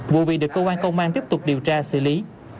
vụ bị được công an công an tiếp tục điều tra xử lý